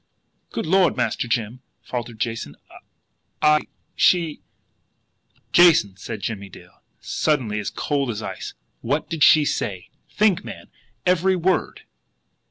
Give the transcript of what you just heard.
"Good Lord, Master Jim!" faltered Jason. "I she " "Jason," said Jimmie Dale, suddenly as cold as ice, "what did she say? Think, man! Every word!"